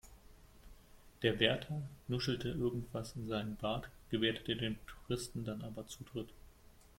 Der Wärter nuschelte irgendwas in seinen Bart, gewährte den Touristen dann aber Zutritt.